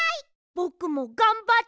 ぼくもがんばった！